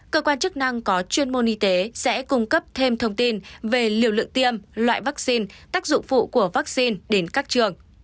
cơ quan chức năng có chuyên môn y tế sẽ cung cấp thêm thông tin về liều lượng tiêm loại vaccine tác dụng phụ của vaccine đến các trường